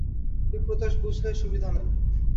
বিপ্রদাস বুঝলে সুবিধে নয়।